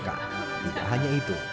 bukan hanya itu